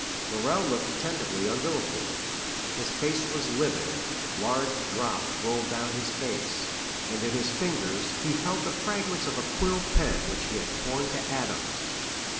Morrel looked attentively on Villefort. His face was livid, large drops rolled down his face, and in his fingers he held the fragments of a quill pen which he had torn to atoms.